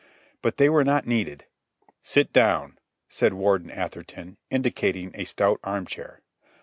But they were not needed. "Sit down," said Warden Atherton, indicating a stout arm chair.